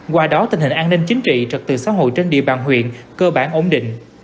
qua đó tình hình an ninh chính trị trật tự xã hội trên địa bàn huyện cơ bản ổn định